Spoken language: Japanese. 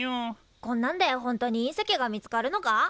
こんなんで本当に隕石が見つかるのか？